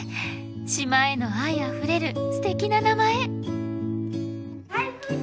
島への愛あふれるすてきな名前！